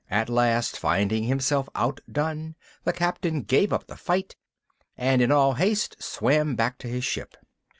At last, finding himself outdone, the Captain gave up the fight, and in all haste swam back to his ship.